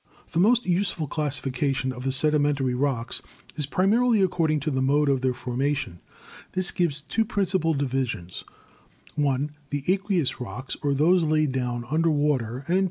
The most useful classification of the sedimentary rocks is, primarily, according to the mode of their formation This gives two principal divisions: I, the Aqueous Rocks„ or those laid down under water; II, the yEolian Rocks